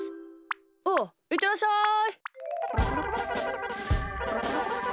おういってらっしゃい。